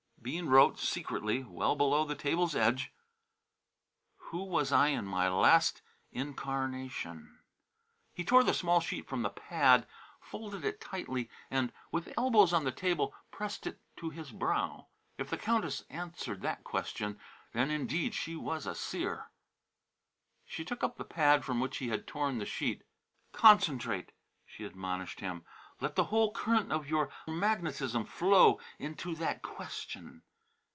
Bean wrote, secretly, well below the table's edge. "Who was I in my last incarnation?" He tore the small sheet from the pad, folded it tightly and, with elbows on the table, pressed it to his brow. If the Countess answered that question, then indeed was she a seer. She took up the pad from which he had torn the sheet. "Concentrate," she admonished him. "Let the whole curnt of your magnetism flow into that question.